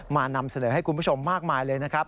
นำเสนอให้คุณผู้ชมมากมายเลยนะครับ